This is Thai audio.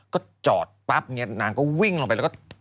ก็จอดปั๊บเนี่ยนางก็วิ่งลงไปแล้วก็